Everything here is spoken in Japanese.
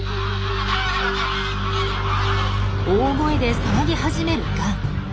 大声で騒ぎ始めるガン。